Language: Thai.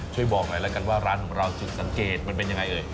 ช่วยบอกหน่อยละกันว่าร้านของเราจุดสังเกตมันเป็นอย่างไร